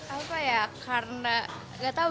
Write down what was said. apa ya karena nggak tahu